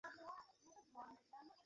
ঠিক আছে, সাবধানে থাকিস।